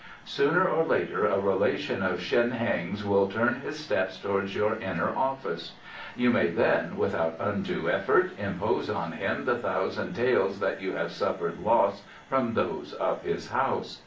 Sooner or later a relation of Shen Heng's will turn his steps towards your inner office. You can then, without undue effort, impose on him the thousand taels that you have suffered loss from those of his house.